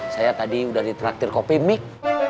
saya tadi udah ditraktir kopimik